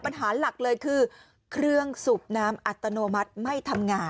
ปัญหาหลักเลยคือเครื่องสูบน้ำอัตโนมัติไม่ทำงาน